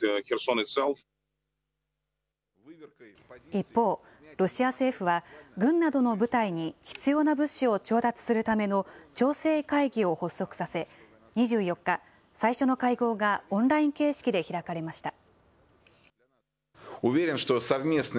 一方、ロシア政府は軍などの部隊に必要な物資を調達するための調整会議を発足させ、２４日、最初の会合がオンライン形式で開かれました。